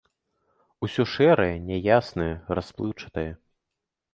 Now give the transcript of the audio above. Усё шэрае, няяснае, расплыўчатае.